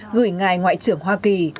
gửi ngài ngoại trưởng hoa kỳ